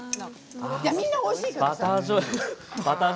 みんな、おいしいけどさ。